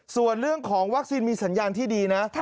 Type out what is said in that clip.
ส่วนเรื่องของวัคซีนมีสัญญาณที่ดีนะ